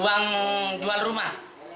uang jual rumah